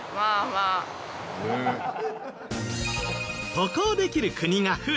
渡航できる国が増え